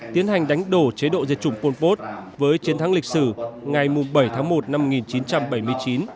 tiến hành đánh đổ chế độ diệt chủng pol pot với chiến thắng lịch sử ngày bảy tháng một năm một nghìn chín trăm bảy mươi chín